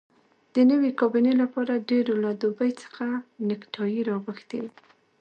د نوې کابینې لپاره ډېرو له دوبۍ څخه نیکټایي راغوښتي وې.